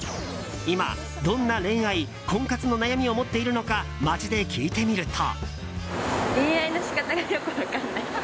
今、どんな恋愛・婚活の悩みを持っているのか街で聞いてみると。